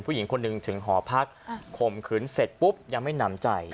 ผู้หญิงคนหนึ่งถึงหอพักข่มขืนเสร็จปุ๊บยังไม่หนำใจ